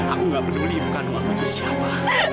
aku tidak peduli ibu kan wangku siapa